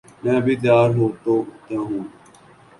میں ابھی تیار ہو تاہوں